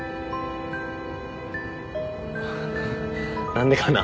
何でかな。